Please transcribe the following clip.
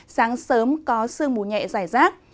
sáng sớm có sương mù nhẹ dài rác